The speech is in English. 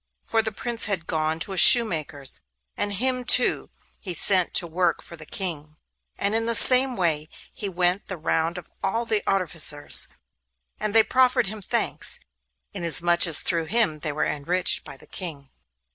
For the Prince had gone to a shoemaker's, and him too he sent to work for the King; and in the same way he went the round of all the artificers, and they all proffered him thanks, inasmuch as through him they were enriched by the King.